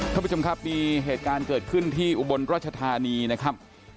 ท่านผู้ชมครับมีเหตุการณ์เกิดขึ้นที่อุบลราชธานีนะครับ